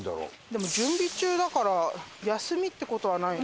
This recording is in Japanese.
でも準備中だから休みって事はない。